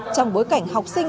trong bối cảnh học sinh